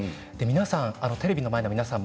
テレビの前の皆さん